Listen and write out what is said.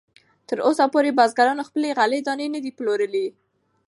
تراوسه پورې بزګرانو خپلې غلې دانې نه دي پلورلې.